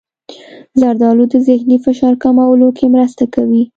زردالو د ذهني فشار کمولو کې مرسته کوي.